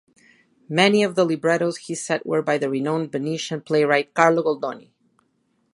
Many of the librettos he set were by the renowned Venetian playwright Carlo Goldoni.